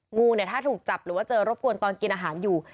งูเนี่ยถ้าถูกจับหรือว่าเจอรบกวนตอนกินอาหารอยู่